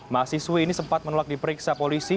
mahasiswi ini sempat menolak diperiksa polisi